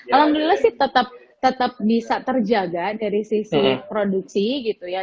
alhamdulillah sih tetap bisa terjaga dari sisi produksi gitu ya